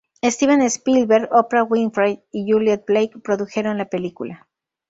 Steven Spielberg, Oprah Winfrey y Juliet Blake produjeron la película.